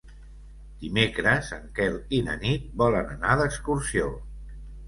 Dimecres en Quel i na Nit volen anar d'excursió.